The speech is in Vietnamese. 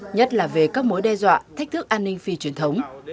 nhất là về các mối đe dọa thách thức an ninh phi truyền thống